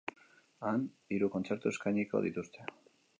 Han, hiru kontzertu eskainiko dituzte.